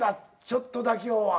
「ちょっとだけよ」は。